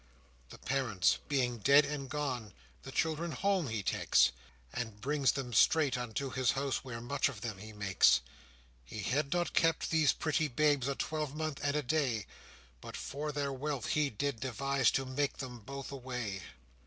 The parents being dead and gone, The children home he takes, And brings them straight unto his house Where much of them he makes. He had not kept these pretty babes A twelvemonth and a day, But, for their wealth, he did devise To make them both away.